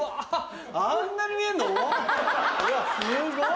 あんなに見えんの⁉すごい！